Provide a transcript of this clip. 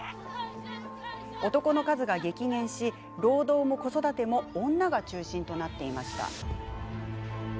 男の数が激減し、労働も子育ても女が中心となっていました。